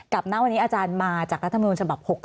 ณวันนี้อาจารย์มาจากรัฐมนูลฉบับ๖๒